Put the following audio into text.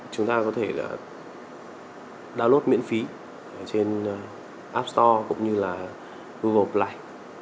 chúng ta có thể là download miễn phí trên app store cũng như là google play